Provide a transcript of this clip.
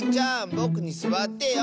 ぼくにすわってよ。